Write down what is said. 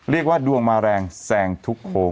เรียกว่าดวงมาแรงแซงทุกโค้ง